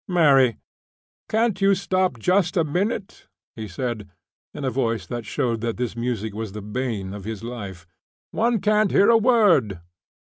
"Mary, can't you stop just a minute?" he said, in a voice that showed that this music was the bane of his life. "One can't hear a word."